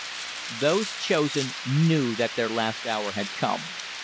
] Those chosen knew that their last hour had come.